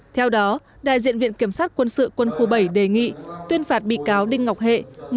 theo đó đại diện viện kiểm sát quân sự quân khu bảy đề nghị tuyên phạt bị cáo đinh ngọc hệ